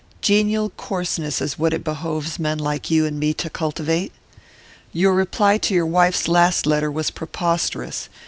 Genial coarseness is what it behoves men like you and me to cultivate. Your reply to your wife's last letter was preposterous.